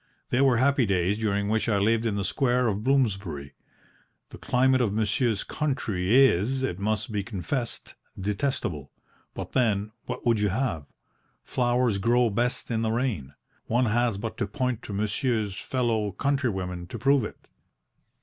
They were happy days during which I lived in the square of Bloomsbury. The climate of monsieur's country is, it must be confessed, detestable. But then what would you have? Flowers grow best in the rain. One has but to point to monsieur's fellow country women to prove it.